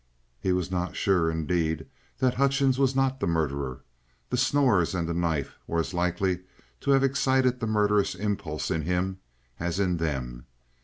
He was not sure, indeed, that Hutchings was not the murderer; the snores and the knife were as likely to have excited the murderous impulse in him as in them.